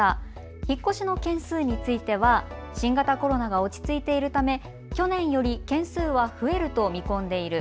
引っ越しの件数については新型コロナが落ち着いているため去年より件数は増えると見込んでいる。